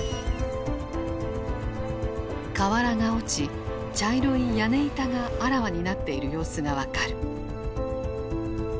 瓦が落ち茶色い屋根板があらわになっている様子が分かる。